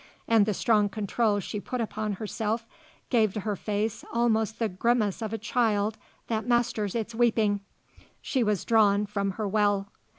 And the strong control she put upon herself gave to her face almost the grimace of a child that masters its weeping. She was drawn from her well.